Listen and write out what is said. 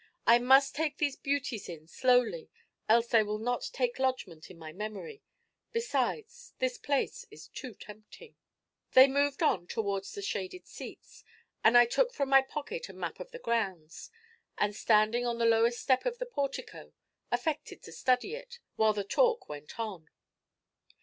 'I must take these beauties in slowly, else they will not take lodgment in my memory; besides, this place is too tempting.' They moved on towards the shaded seats, and I took from my pocket a map of the grounds, and, standing on the lowest step of the portico, affected to study it, while the talk went on.